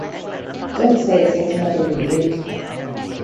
Don't say it's yet another reboot.